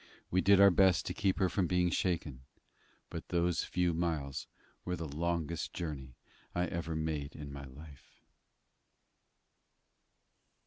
We did our best to keep her from being shaken; but those few miles were the longest journey I ever made in my life.